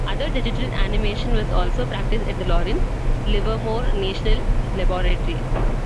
Other digital animation was also practiced at the Lawrence Livermore National Laboratory.